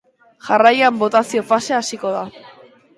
Jarraian, botazio fasea hasiko da.